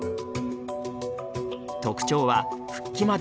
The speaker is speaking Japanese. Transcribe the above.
特徴は復帰までの早さ。